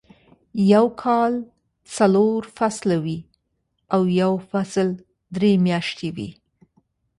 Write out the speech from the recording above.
يو کال څلور فصله وي او يو فصل درې میاشتې وي.